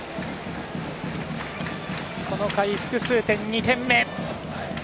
この回、複数点２点目。